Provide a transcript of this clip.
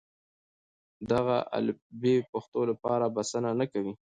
دغه الفبې د پښتو لپاره بسنه نه کوي.